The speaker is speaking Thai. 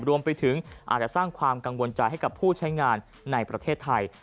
รวมไปถึงอาจจะสร้างความกังวลใจให้กับผู้ใช้งานในประเทศไทย